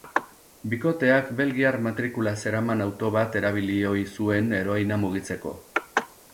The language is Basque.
Bikoteak belgiar matrikula zeraman auto bat erabil ohi zuen heroina mugitzeko.